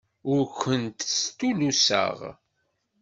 Ur kent-stulluseɣ.